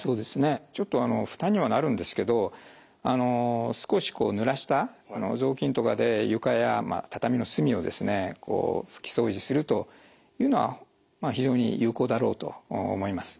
ちょっと負担にはなるんですけど少しぬらした雑巾とかで床や畳の隅をですね拭き掃除するというのは非常に有効だろうと思います。